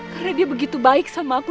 karena dia begitu baik sama aku